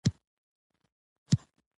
W